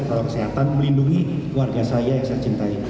protokol kesehatan melindungi keluarga saya yang saya cintai